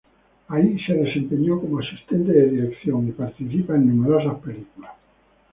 Ahí se desempeñó como asistente de dirección y participa en numerosas películas.